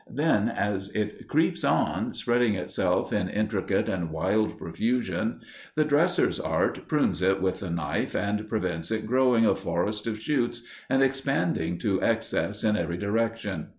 Then as it creeps on, spreading itself in intricate and wild profusion, the dresser's art prunes it with the knife and prevents it growing a forest of shoots and expanding to excess in every direction.